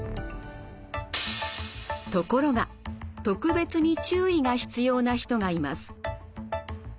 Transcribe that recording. ところが特別に注意が必要な人がいます。